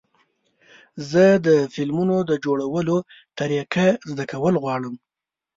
زه د فلمونو د جوړېدو طریقه زده کول غواړم.